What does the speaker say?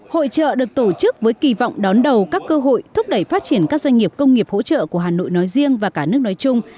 hội trợ được tổ chức với kỳ vọng đón đầu các cơ hội thúc đẩy phát triển các doanh nghiệp công nghiệp hỗ trợ của hà nội nói riêng và cả nước nói chung